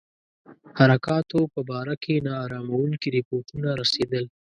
حرکاتو په باره کې نا اراموونکي رپوټونه رسېدل.